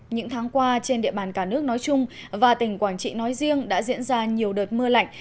những tháng qua trên địa bàn cả nước nói chung và tỉnh quảng trị nói riêng đã diễn ra nhiều đợt mưa lạnh